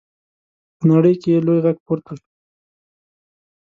په نړۍ کې یې لوی غږ پورته شو.